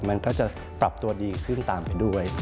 มันก็จะปรับตัวดีขึ้นตามไปด้วย